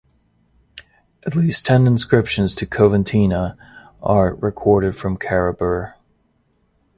At least ten inscriptions to Coventina are recorded from Carrawburgh.